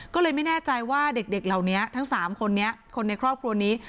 ก็เลยไม่แน่ใจว่าเด็กเหล่านี้ทั้ง๓คนนี้คนในครอบครัวนี้